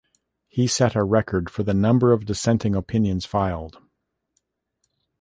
He set a record for the number of dissenting opinions filed.